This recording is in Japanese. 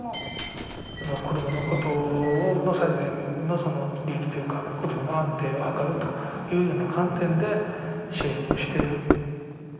子どものことの最善の利益というか子どもの安定を図るというような観点で支援をしている。